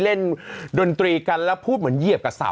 ดนตรีกันแล้วพูดเหมือนเหยียบกับสาว